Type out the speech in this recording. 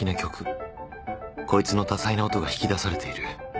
こいつの多彩な音が引き出されている。